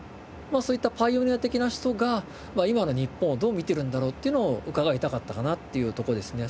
そういったパイオニア的な人が今の日本をどう見てるんだろうっていうのを伺いたかったかなというとこですね